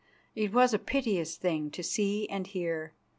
it was a piteous thing to see and hear.